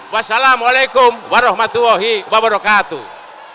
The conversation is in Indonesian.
wassalamualaikum warahmatullahi wabarakatuh